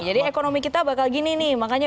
jadi ekonomi kita bakal gini nih makanya